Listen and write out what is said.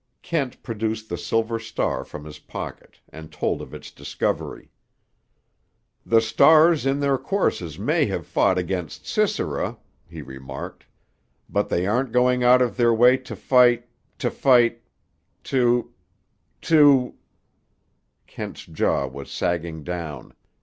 Kent produced the silver star from his pocket, and told of its discovery. "The stars in their courses may have fought against Sisera," he remarked; "but they aren't going out of their way to fight—to fight—to—to—" Kent's jaw was sagging down.